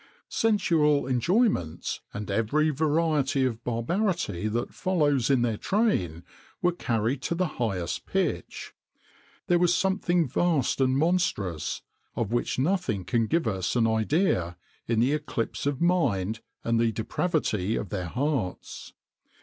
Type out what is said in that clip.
Sensual enjoyments, and every variety of barbarity that follows in their train, were carried to the highest pitch. There was something vast and monstrous, of which nothing can give us an idea, in the eclipse of mind, and the depravity of their hearts.